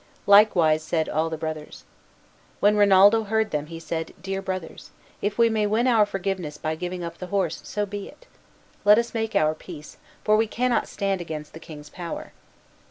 Likewise said all the brothers. When Rinaldo heard them he said, "Dear brothers, if we may win our forgiveness by giving up the horse, so be it. Let us make our peace, for we cannot stand against the king's power."